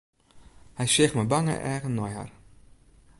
Hy seach mei bange eagen nei har.